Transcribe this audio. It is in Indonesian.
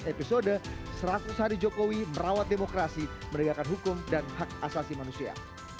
episode seratus hari jokowi merawat demokrasi menegakkan hukum dan hak asasi manusia